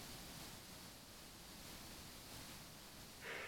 Krize není za námi.